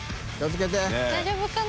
董大丈夫かな？